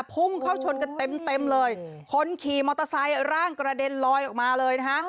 พุ่งเข้าชนกันเต็มเต็มเลยคนขี่มอเตอร์ไซค์ร่างกระเด็นลอยออกมาเลยนะฮะ